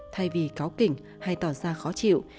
thay vì cáu kỉnh hay tỏ ra khó chịu